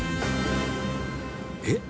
えっ？